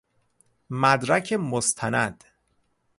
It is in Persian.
مدرک مستند